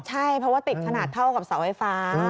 ใช่เพราะว่าติดขนาดเท่ากับเสาไฟฟ้า